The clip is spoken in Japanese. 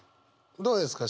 どうですか？